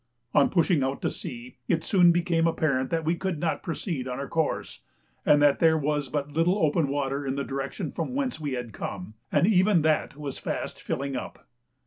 On pushing out to sea it soon became apparent that we could not proceed on our course, and that there was but little open water in the direction from whence we had come, and even that was fast filling up.